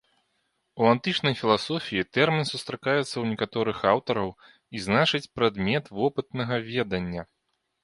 У антычнай філасофіі тэрмін сустракаецца ў некаторых аўтараў і значыць прадмет вопытнага ведання.